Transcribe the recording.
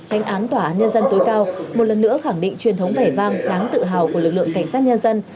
tranh án tòa án nhân dân tối cao một lần nữa khẳng định truyền thống vẻ vang đáng tự hào của lực lượng cảnh sát nhân dân